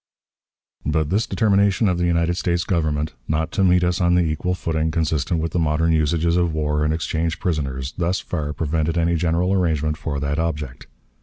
But this determination of the United States Government, not to meet us on the equal footing consistent with the modern usages of war and exchange prisoners, thus far prevented any general arrangement for that object.